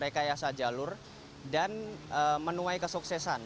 rekayasa jalur dan menuai kesuksesan